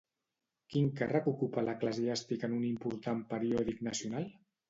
Quin càrrec ocupà l'eclesiàstic en un important periòdic nacional?